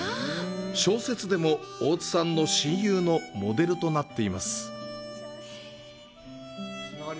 小説でも大津さんの親友のモデルとなっています。